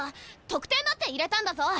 得点だって入れたんだぞ！